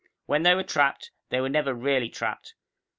When they were trapped, they were never really trapped.